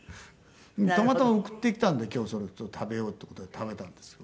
たまたま送ってきたんで今日それ食べようっていう事で食べたんですけど。